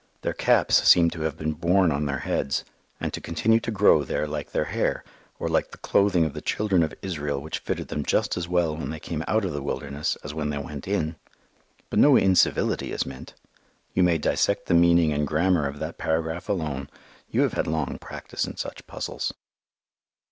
Their caps seem to have been born on their heads and to continue to grow there like their hair, or like the clothing of the children of Israel, which fitted them just as well when they came out of the wilderness as when they went in. But no incivility is meant. You may dissect the meaning and grammar of that paragraph alone. You have had long practice in such puzzles.